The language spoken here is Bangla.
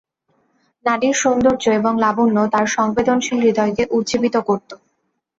নারীর সৌন্দর্য এবং লাবণ্য তার সংবেদনশীল হৃদয়কে উজ্জীবিত করত।